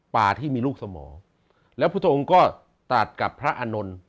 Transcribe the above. ป่าที่มีลูกสมองแล้วพุทธองค์ก็ตัดกับพระอานนท์